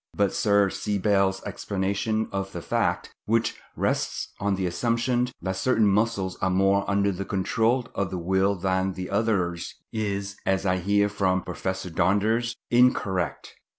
But Sir C. Bell's explanation of the fact, which rests on the assumption that certain muscles are more under the control of the will than others is, as I hear from Professor Donders, incorrect.